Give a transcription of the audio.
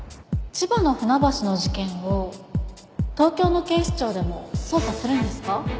千葉の船橋の事件を東京の警視庁でも捜査するんですか？